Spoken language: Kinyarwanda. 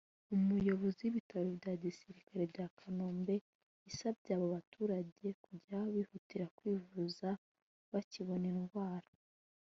umuyobozi w’ ibitaro bya gisirikare bya Kanombe yasabye aba baturage kujya bihutira kwivuza bakibona indwara